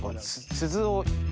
鈴を。